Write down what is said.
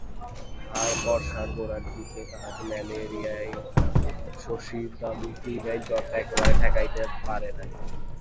বর্ষার গোড়ার দিকে তাহাকে ম্যালেরিয়ায় শশীর দামি কুইনাইন জ্বরটা একেবারে ঠেকাইতে পারে নাই।